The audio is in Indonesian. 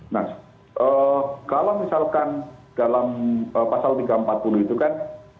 nah kalau misalkan dalam pasal tiga ratus empat puluh itu kan